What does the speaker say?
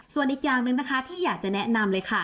ส่วนอีกอย่างหนึ่งนะคะที่อยากจะแนะนำเลยค่ะ